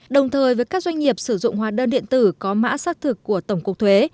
đồng thời với các doanh nghiệp sử dụng hóa đơn điện tử có mã xác thực của tổng cục thuế